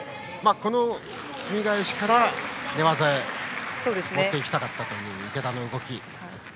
今のすみ返しから寝技へ持っていきたかったという池田の動き。